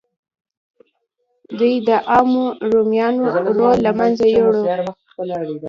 دې د عامو رومیانو رول له منځه یووړ